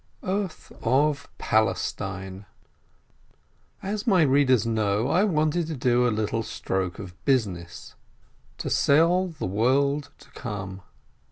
EARTH OF PALESTINE As my readers know, I wanted to do a little stroke of business — to sell the world to come.